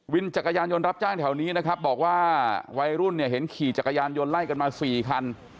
จักรยานยนต์รับจ้างแถวนี้นะครับบอกว่าวัยรุ่นเนี่ยเห็นขี่จักรยานยนต์ไล่กันมาสี่คัน